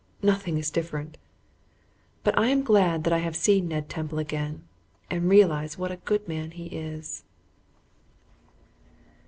Nothing is different, but I am glad that I have seen Ned Temple again, and realize what a good man he is.